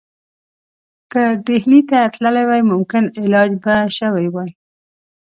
که ډهلي ته تللی وای ممکن علاج به شوی وای.